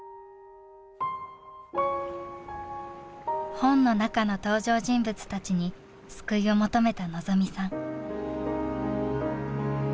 本の中の登場人物たちに救いを求めた望未さん。